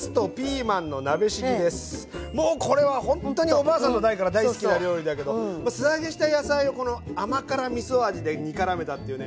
もうこれはほんとにおばあさんの代から大好きな料理だけど素揚げした野菜をこの甘辛みそ味で煮からめたっていうね